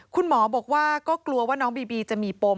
คุณหมอบอกว่าก็กลัวว่าน้องบีบีจะมีปม